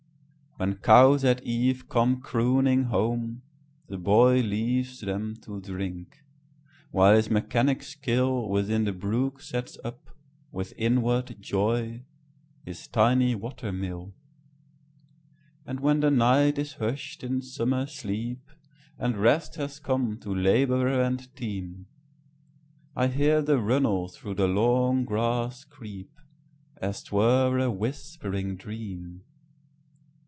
When cows at eve come crooning home, the boyLeaves them to drink, while his mechanic skillWithin the brook sets up, with inward joy, His tiny water mill. And when the night is hush'd in summer sleep, And rest has come to laborer and team,I hear the runnel through the long grass creep, As 't were a whispering dream.